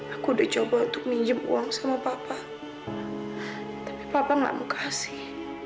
aku udah coba untuk minjem uang sama papa tapi papa nggak mau kasih